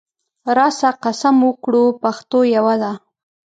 راسه قسم وکړو پښتو یوه ده